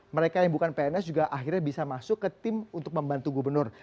mereka yang bukan pns juga akhirnya bisa masuk ke tim untuk membantu gubernur